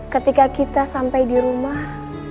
ketika kita sampai di rumah